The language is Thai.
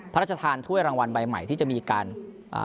พระราชทานถ้วยรางวัลใบใหม่ที่จะมีการอ่า